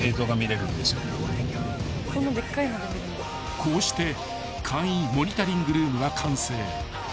［こうして簡易モニタリングルームが完成］